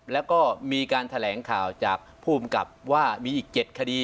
แล้วก็มีการแถลงข่าวจากผู้อำกับว่ามีอีก๗คดี